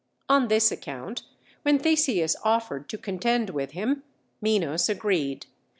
On this account, when Theseus offered to contend with him, Minos agreed.